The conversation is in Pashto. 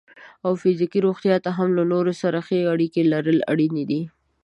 او فزیکي روغتیا ته هم له نورو سره ښې اړیکې لرل اړینې دي.